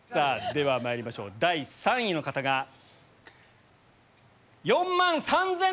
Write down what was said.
ではまいりましょう第３位の方が４万３６００円！